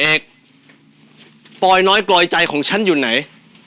เอ็กซ์ปล่อยน้อยกลอยใจของฉันอยู่ไหน